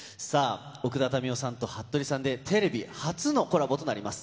奥田民生さんとはっとりさんで、テレビ初のコラボとなります。